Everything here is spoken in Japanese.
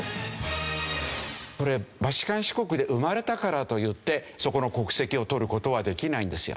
これバチカン市国で生まれたからといってそこの国籍を取る事はできないんですよ。